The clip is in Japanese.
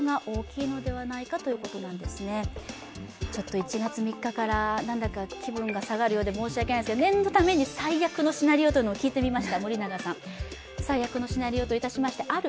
１月３日から気分が下がるようで申し訳ないんですが、念のため、最悪のシナリオというのも聞いてみました。